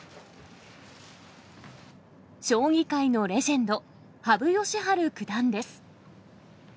将棋界のレジェンド、羽生善治九段です。